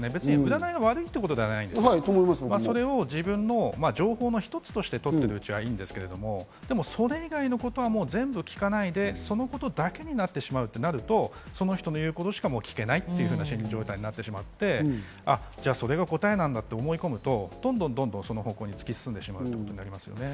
占いは悪いということではないですが、それを一つの情報として取ってるうちはいいんですが、それ以外のことは何も聞かないで、そのことだけになってしまうとなると、その人の言うことしか聞けないという心理状況になってしまって、それが答えだと思い込むと、どんどんそれに突き進んでしまうということになるんですね。